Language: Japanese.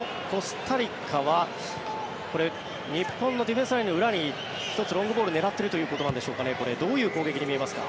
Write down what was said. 内田さん、このコスタリカは日本のディフェンスラインの裏に１つロングボールを狙っているということでしょうかどういう攻撃に見えますか。